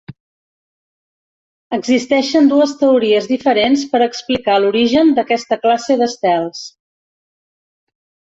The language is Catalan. Existeixen dues teories diferents per explicar l'origen d'aquesta classe d'estels.